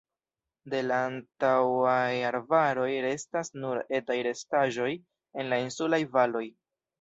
De la antaŭaj arbaroj restas nur etaj restaĵoj en la insulaj valoj.